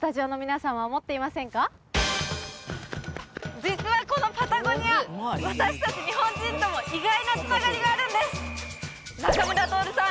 実はこのパタゴニア私達日本人とも意外なつながりがあるんです仲村トオルさん